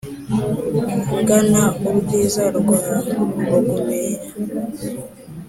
ngana urwiza rwa rugumira